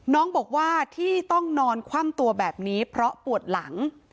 น้องบอกว่าที่ต้องนอนคว่ำตัวแบบนี้เพราะปวดหลัง